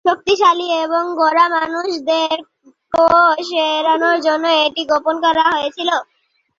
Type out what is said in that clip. শক্তিশালী এবং গোঁড়া মানুষদের ক্রোধ এড়ানোর জন্য এটিকে গোপন রাখা হয়েছিল।